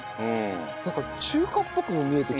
なんか中華っぽくも見えてきた。